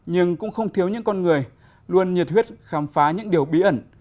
nhưng cũng không thiếu những con người luôn nhiệt huyết khám phá những điều bí ẩn